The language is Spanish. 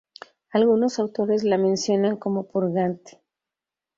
Algunos autores la mencionan como purgante.